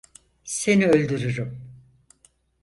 Seni öldürürüm!